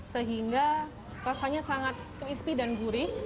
sehingga rasanya sangat crispy dan gurih